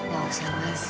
gak usah mas